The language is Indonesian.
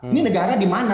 ini negara di mana